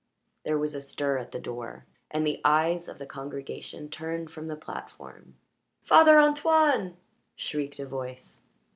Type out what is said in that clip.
There was a stir at the door, and the eyes of the congregation turned from the platform. "Father Antoine!" shrieked a voice.